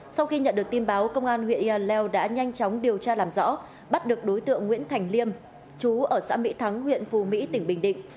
sau khi nhận được tin báo công an huyện yà leo đã nhanh chóng điều tra làm rõ bắt được đối tượng nguyễn thành liêm chú ở xã mỹ thắng huyện phù mỹ tỉnh bình định